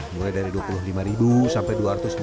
mulai dari rp dua puluh lima sampai dua ratus dua puluh